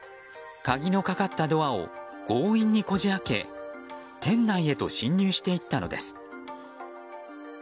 鍵のかかったドアを強引にこじ開け店内へと侵入していったのです。